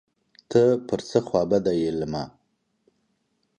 ته پر څه خوابدی یې له ما